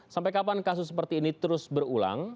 sampai kapan kasus seperti ini terus berulang